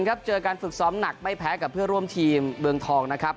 เจอการฝึกซ้อมหนักไม่แพ้กับเพื่อร่วมทีมเมืองทองนะครับ